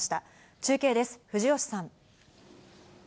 中継です、藤吉さん。